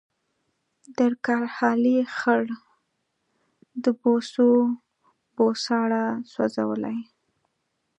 د کرهالې خړ د بوسو بوساړه سوځولې